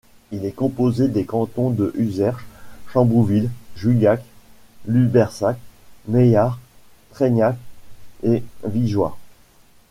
Il était composé des cantons de Userche, Chamboulive, Juillac, Lubersac, Meillars, Treignac et Vigeois.